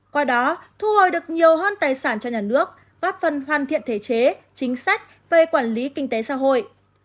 qua đó thu hồi được nhiều hơn tài sản cho nhà nước góp phần hoàn thiện thể chế chính sách về quản lý kinh tế xã hội